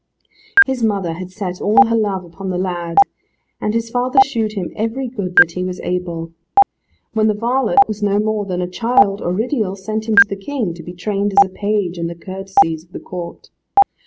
His mother had set all her love upon the lad, and his father shewed him every good that he was able. When the varlet was no more a child, Oridial sent him to the King, to be trained as a page in the courtesies of the Court.